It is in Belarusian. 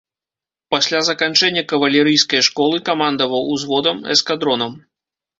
Пасля заканчэння кавалерыйскай школы камандаваў узводам, эскадронам.